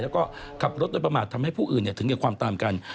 แล้วก็ขับรถโดยประมาททำให้ผู้อื่นถึงแก่ความตามกัน